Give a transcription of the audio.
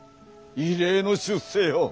異例の出世よ。